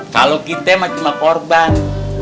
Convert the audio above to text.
kalau kita emang cuma korban